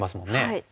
はい。